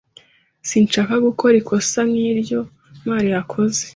Sinshaka gukora ikosa nk'iryo Ntwali yakoze.